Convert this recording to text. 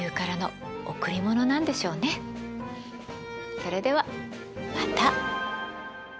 それではまた。